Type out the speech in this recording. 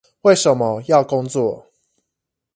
為什麼要工作？